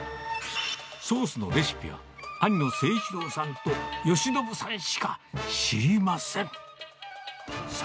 ソースのレシピは、兄の誠一郎さんとよしのぶさんしか知りません。